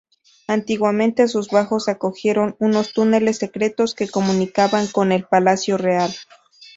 Antiguamente sus bajos acogieron unos túneles secretos que comunicaban con el Palacio Real.